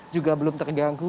juga belum terganggu